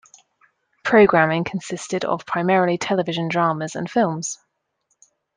Programming consisted of primarily television dramas and films.